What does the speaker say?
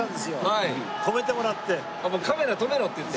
もうカメラ止めろって言って？